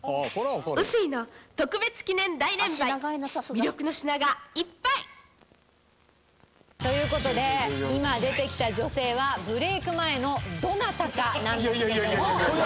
魅力の品がいっぱい！という事で今出てきた女性はブレイク前のどなたかなんですけれども。